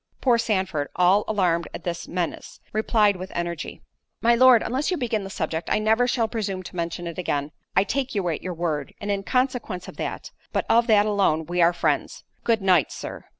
Poor Sandford, all alarmed at this menace, replied with energy, "My Lord, unless you begin the subject, I never shall presume to mention it again." "I take you at your word, and in consequence of that, but of that alone, we are friends. Good night, Sir."